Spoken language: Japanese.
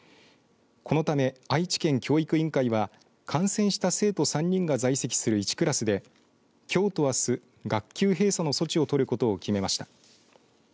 このため愛知県教育委員会は感染した生徒３人が在籍する１クラスできょうとあす、学級閉鎖の措置をとることを決めました。